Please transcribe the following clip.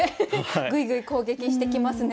ぐいぐい攻撃してきますね。